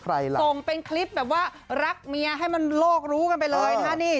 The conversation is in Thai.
ส่งเป็นคลิปแบบว่ารักเมียให้มันโลกรู้กันไปเลยนะฮะนี่